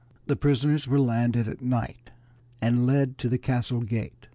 The prisoners were landed at night, and led to the castle gate.